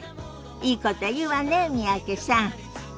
いいこと言うわね三宅さん。